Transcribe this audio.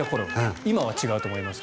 今は違うと思いますが。